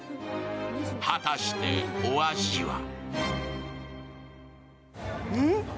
果たしてお味は？